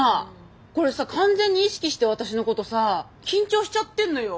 これさ完全に意識して私のことさ緊張しちゃってんのよ。